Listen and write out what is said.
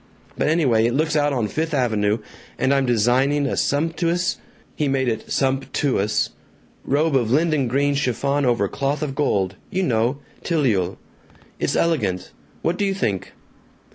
but anyway, it looks out on Fifth Avenue, and I'm designing a sumptuous " He made it "sump too ous" "robe of linden green chiffon over cloth of gold! You know tileul. It's elegant. ... What do you think?"